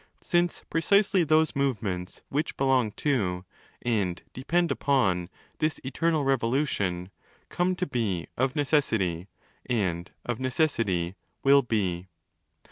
since precisely those movements which belong to, and depend upon, this eternal 338" revolution 'come to be' of necessity, and of necessity ' will be'.